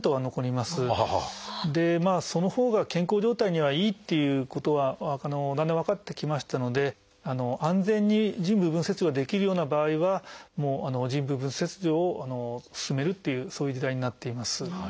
でそのほうが健康状態にはいいっていうことがだんだん分かってきましたので安全に腎部分切除ができるような場合は腎部分切除を勧めるっていうそういう時代になっています。